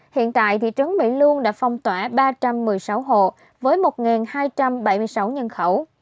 hiện tại thị trấn mỹ luông đã phong tỏa ba trăm một mươi sáu hộ với một hai trăm bảy mươi sáu nhân khẩu